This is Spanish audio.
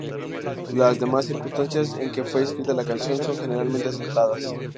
Las demás circunstancias en que fue escrita la canción son generalmente aceptadas.